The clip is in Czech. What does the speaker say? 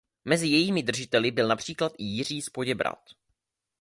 Mezi jejími držiteli byl například i Jiří z Poděbrad.